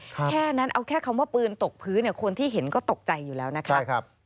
แค่นั้นเอาแค่คำว่าปืนตกพื้นคนที่เห็นก็ตกใจอยู่แล้วนะคะ